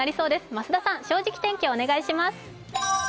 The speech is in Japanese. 増田さん、「正直天気」お願いします